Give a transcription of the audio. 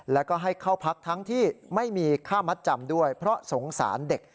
แล้วก็ให้เข้าพักทั้งที่ไม่มีค่ามัดจำด้วยเพราะสงสารเด็ก